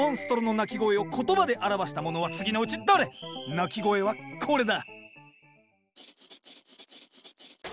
鳴き声はこれだ！